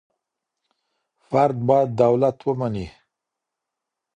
فرد بايد دولت ومني.